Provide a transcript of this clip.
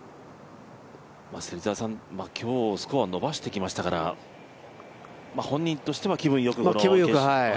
今日スコア伸ばしてきましたから、本人としては気分よくこの決勝に。